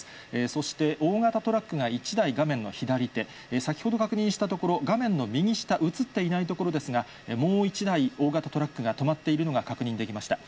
そして大型トラックが１台画面の左手、先ほど確認したところ、画面の右下、映っていない所ですが、もう１台、大型トラックが止まっているのが確認できました。